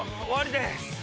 終わりです。